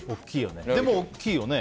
大きいよね。